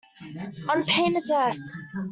On pain of death.